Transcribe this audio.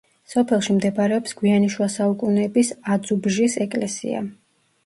სოფელში მდებარეობს გვიანი შუა საუკუნეების აძუბჟის ეკლესია.